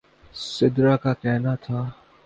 سدرا کا کہنا تھا